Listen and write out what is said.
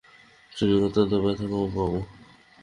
Training অন্তত ব্যথা কম পাব।